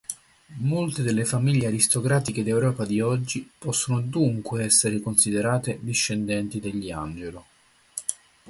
Molte delle famiglie aristocratiche d'Europa di oggi possono dunque essere considerate discendenti degli Angelo.